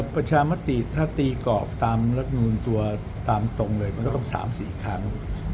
ประชามติถ้าตีกรอบตามรัฐมนูลตัวตามตรงเลยมันก็ต้อง๓๔ครั้ง